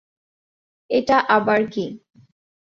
এটা আবার কী!